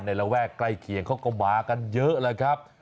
ระแวกใกล้เคียงเขาก็มากันเยอะเลยครับ